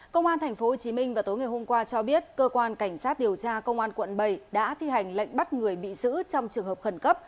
công an tp hcm vào tối ngày hôm qua cho biết cơ quan cảnh sát điều tra công an quận bảy đã thi hành lệnh bắt người bị giữ trong trường hợp khẩn cấp